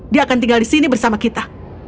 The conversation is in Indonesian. dia akan tinggal di sini bersama kita